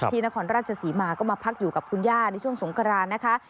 นครราชศรีมาก็มาพักอยู่กับคุณย่าในช่วงสงกรานนะคะ